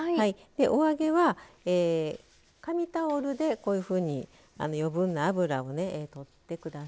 お揚げは紙タオルでこういうふうに余分な油をね取って下さい。